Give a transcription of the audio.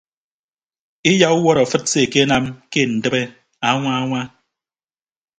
Eyauwọt afịt se akenam ke ndịbe añwa añwa.